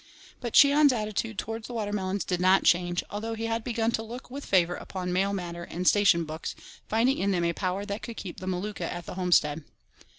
But Cheon's attitude towards the water melons did not change, although he had begun to look with favour upon mail matter and station books, finding in them a power that could keep the Maluka at the homestead.